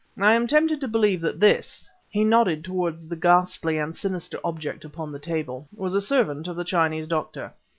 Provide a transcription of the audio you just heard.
I am tempted to believe that this" he nodded towards the ghastly and sinister object upon the table "was a servant of the Chinese Doctor.